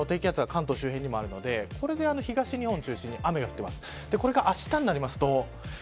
小さい低気圧が関東周辺にあるのでそれで東日本を中心に雨が降っています。